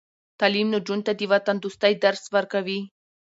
تعلیم نجونو ته د وطندوستۍ درس ورکوي.